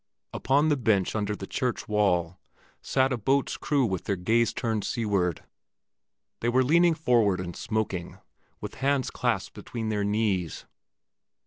Upon the bench under the church wall sat a boat's crew with their gaze turned seaward. They were leaning forward and smoking, with hands clasped between their knees.